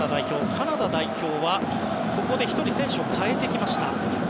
カナダ代表は、ここで１人選手を代えてきました。